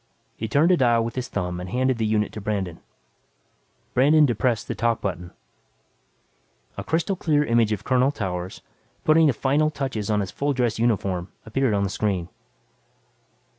He turned a dial with his thumb and handed the unit to Brandon. Brandon depressed the "talk" button. A crystal clear image of Colonel Towers, putting the finishing touches on his full dress uniform, appeared on the screen.